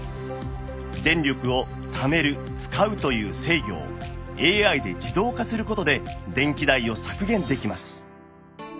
電力をためる使うという制御を ＡＩ で自動化する事で電気代を削減できます